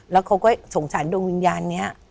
แล้วเขาก็สงสารดวงวิญญาณนี้